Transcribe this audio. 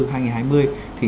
thì đã có những quy định